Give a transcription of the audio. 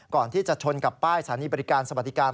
ก่อนที่จะชนกับป้ายสถานีบริการสวัสดิการ